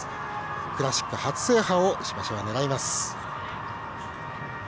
クラシック初制覇を石橋は狙います。